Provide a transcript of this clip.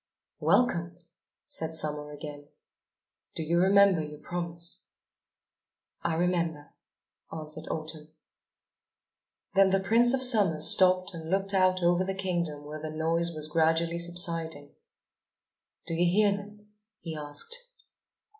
"Welcome," said Summer again. "Do you remember your promise?" "I remember," answered Autumn. Then the Prince of Summer stopped and looked out over the kingdom where the noise was gradually subsiding. "Do you hear them?" he asked.